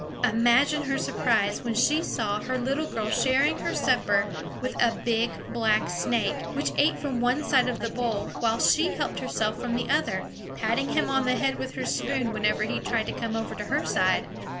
Imagine her surprise when she saw her little girl sharing her supper with a big black snake, which ate from one side of the bowl while she helped herself from the other, patting him on the head with her spoon whenever he tried to come over to her side!